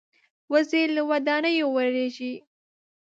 وزې له ودانیو وېرېږي